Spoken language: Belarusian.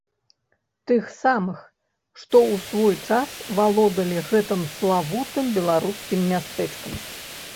Тых самых, што ў свой час валодалі гэтым славутым беларускім мястэчкам.